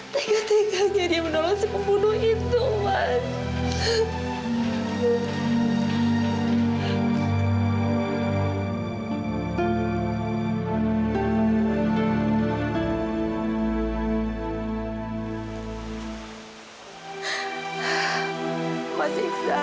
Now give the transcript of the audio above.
tegak tegaknya dia mendolong si pembunuh itu mas